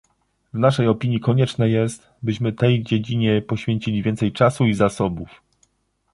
W naszej opinii konieczne jest, byśmy tej dziedzinie poświęcili więcej czasu i zasobów